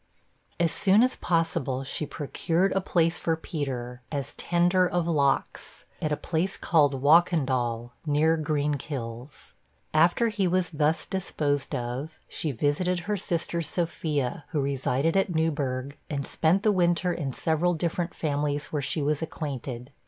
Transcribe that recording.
As soon as possible she procured a place for Peter, as tender of locks, at a place called Wahkendall, near Greenkills. After he was thus disposed of, she visited her sister Sophia, who resided at Newberg, and spent the winter in several different families where she was acquainted.